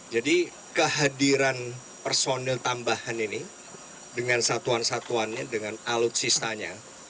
jadi kehadiran personel tambahan ini dengan satuan satuannya dengan alutsistanya